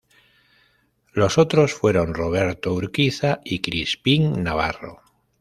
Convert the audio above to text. Los otros fueron Roberto Urquiza y Crispín Navarro.